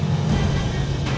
tidak ada satu